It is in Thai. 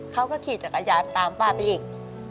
เขาก็ขี่จักรยานตามป้าไปอีก